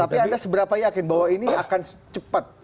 tapi anda seberapa yakin bahwa ini akan cepat